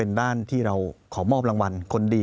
ขอมอบจากท่านรองเลยนะครับขอมอบจากท่านรองเลยนะครับ